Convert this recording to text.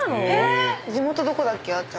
地元どこだっけ？